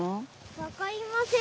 分かりません